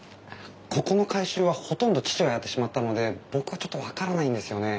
ここの改修はほとんど父がやってしまったので僕はちょっと分からないんですよね。